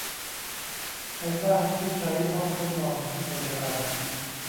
ใครบ้างที่ใช้ห้องทดลองนี้ในเวลานั้น